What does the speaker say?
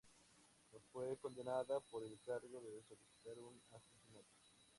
No fue condenada por el cargo de solicitar un asesinato.